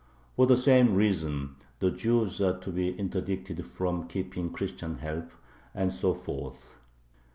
For the same reason the Jews are to be interdicted from keeping Christian help, and so forth.